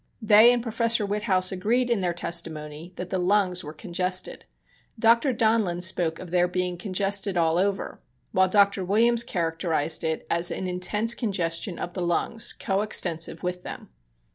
They and Professor Witthaus agreed in their testimony that the lungs were congested. Dr. Donlin spoke of their being "congested all over"; while Dr. Williams characterized it as "an intense congestion of the lungs coextensive with them."